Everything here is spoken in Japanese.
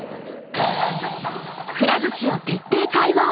［くら寿司を徹底解剖！